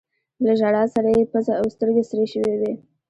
له ژړا سره يې پزه او سترګې سرې شوي وې.